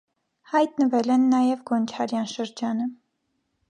Հայտնվել են նաև գոնչարյան շրջանը։